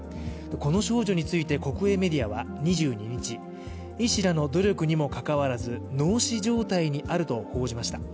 この少女について国営メディアは２２日、医師らの努力にもかかわらず脳死状態にあると報じました。